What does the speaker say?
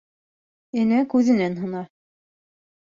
Энә күҙенән һына